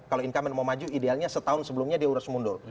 kalau incumbent mau maju idealnya setahun sebelumnya dia urus mundur